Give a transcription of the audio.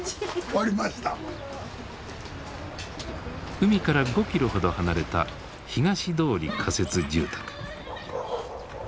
海から５キロほど離れた東通仮設住宅。